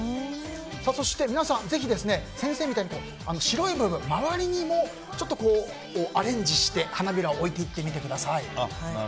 そして、皆さんぜひ先生みたいに白い部分周りにもアレンジして花びらを置いていってみてください。